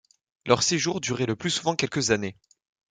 Leur séjour durait le plus souvent quelques années.